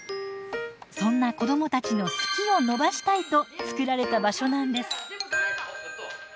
そんな子どもたちの「好き」を伸ばしたいと作られた場所なんです。